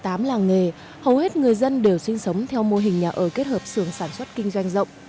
trong năm hai nghìn một mươi tám làng nghề hầu hết người dân đều sinh sống theo mô hình nhà ở kết hợp sường sản xuất kinh doanh rộng